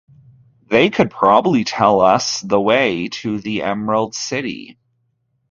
They could probably tell us the way to the Emerald City.